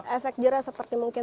efek jerah seperti mungkin